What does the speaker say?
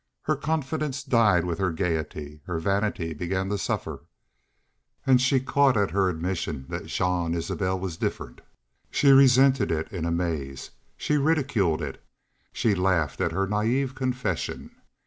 Her confidence died with her gayety; her vanity began to suffer. And she caught at her admission that Jean Isbel was different; she resented it in amaze; she ridiculed it; she laughed at her naive confession.